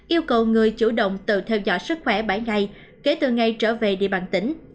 yêu cầu người chủ động tự theo dõi sức khỏe bảy ngày kể từ ngày trở về địa bàn tỉnh